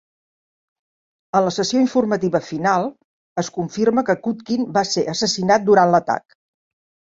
En la sessió informativa final, es confirma que Kutkin va ser assassinat durant l'atac.